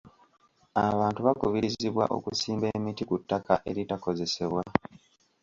Abantu bakubirizibwa okusimba emiti ku ttaka eritakozesebwa.